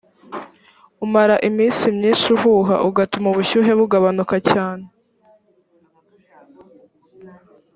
umara iminsi myinshi uhuha ugatuma ubushyuhe bugabanuka cyane